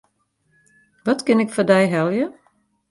Wat kin ik foar dy helje?